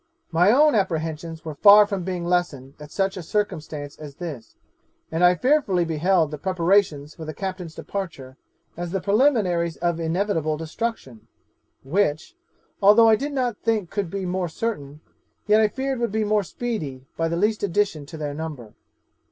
'My own apprehensions were far from being lessened at such a circumstance as this, and I fearfully beheld the preparations for the captain's departure as the preliminaries of inevitable destruction, which, although I did not think could be more certain, yet I feared would be more speedy, by the least addition to their number.